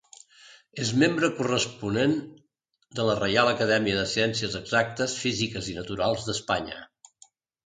És membre corresponent de la Reial Acadèmia de Ciències Exactes, Físiques i Naturals d'Espanya.